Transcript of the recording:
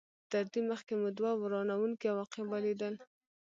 تر دې مخکې مو دوه ورانوونکي عواقب ولیدل.